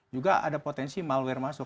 juga ada potensi malware masuk